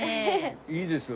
いいですよ。